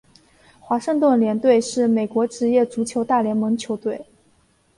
华盛顿联队是美国职业足球大联盟球队。